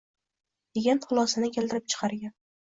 degan xulosani keltirib chiqargan